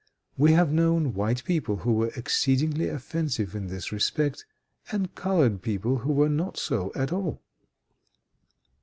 We have known white people who were exceedingly offensive in this respect, and colored people who were not so at all.